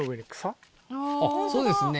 そうですね。